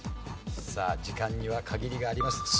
さあ時間には限りがあります。